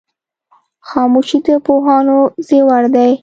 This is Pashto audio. خاموشي د پوهانو زیور دی.